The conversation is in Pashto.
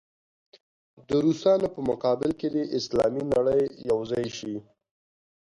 د روسانو په مقابل کې دې اسلامي نړۍ یو ځای شي.